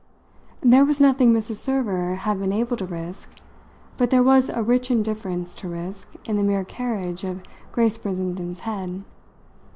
There was nothing Mrs. Server had been able to risk, but there was a rich indifference to risk in the mere carriage of Grace Brissenden's head.